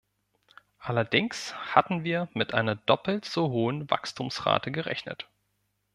Allerdings hatten wir mit einer doppelt so hohen Wachstumsrate gerechnet.